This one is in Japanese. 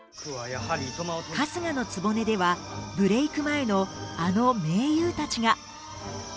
「春日局」ではブレイク前のあの名優たちが。